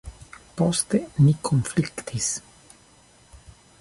Poste ni konfliktis.